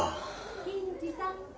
・銀次さん。